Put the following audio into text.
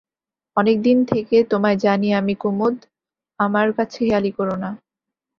অনেকদিন থেকে তোমায় জানি আমি কুমুদ, আমার কাছে হেঁয়ালি কোরো না।